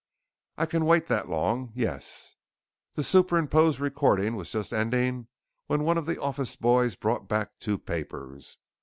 "I can wait that long. Yes!" The superimposed recording was just ending when one of the office boys brought back two papers.